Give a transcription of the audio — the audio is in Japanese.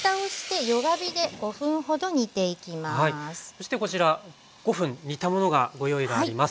そしてこちら５分煮たものがご用意があります。